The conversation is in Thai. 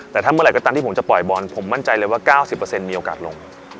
แต่ถ้าเมื่อไหร่ก็ตามที่ผมจะปล่อยบอลผมมั่นใจเลยว่า๙๐มีโอกาสลง